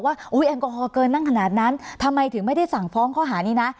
อุ๊เกินนั่งขนาดนั้นทำไมถึงไม่ได้สั่งฟ้องข้อหานี้นะ